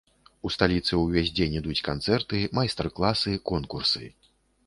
У сталіцы ўвесь дзень ідуць канцэрты, майстар-класы, конкурсы.